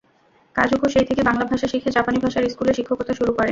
কাজুকো সেই থেকে বাংলা ভাষা শিখে জাপানি ভাষার স্কুলে শিক্ষকতা শুরু করেন।